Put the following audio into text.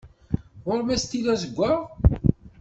Ɣur-m astilu azeggaɣ?